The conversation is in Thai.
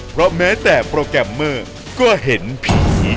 เพราะแม้แต่โปรแกรมเมอร์